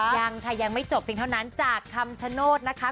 อย่างถ้ายังไม่จบสิ่งเท่านั้นจากคำชโนทนะคะ